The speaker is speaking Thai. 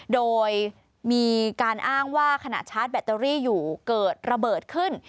โดยมีการอ้างว่าขณะชาร์จแบตเตอรี่อยู่เกิดระเบิดขึ้น